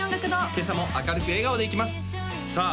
今朝も明るく笑顔でいきますさあ